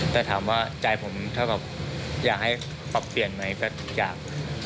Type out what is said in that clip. แต่ถามว่าใจผมถ้าแบบอยากให้ปรับเปลี่ยนไหมก็อยาก